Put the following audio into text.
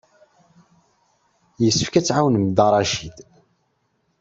Yessefk ad tɛawnem Dda Racid.